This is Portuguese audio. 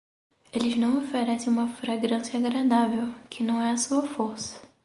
Eles não oferecem uma fragrância agradável, que não é a sua força.